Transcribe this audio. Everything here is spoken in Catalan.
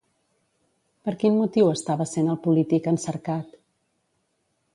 Per quin motiu estava sent el polític encercat?